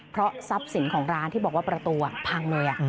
เพราะทรัพย์สินของร้านที่บอกว่าประตูพังเลย